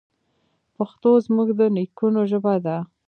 پښتو زموږ د نیکونو ژبه ده.